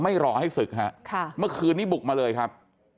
รอให้ศึกฮะค่ะเมื่อคืนนี้บุกมาเลยครับ